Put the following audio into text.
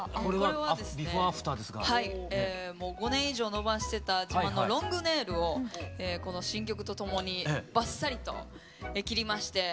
もう５年以上伸ばしてた自慢のロングネイルをこの新曲と共にバッサリと切りまして。